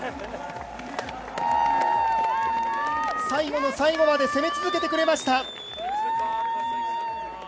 最後の最後まで攻め続けてくれました。